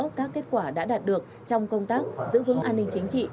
các kết quả đã đạt được trong công tác giữ vững an ninh chính trị